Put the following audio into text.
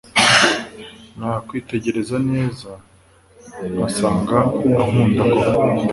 nakwitegereza neza nkasanga unkunda koko